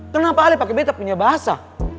kenapa ale pake betta punya bahasa